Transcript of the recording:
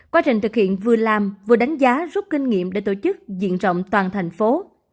quá trình thực hiện vừa làm vừa đánh giá rút kinh nghiệm để tổ chức diện rộng toàn thành phố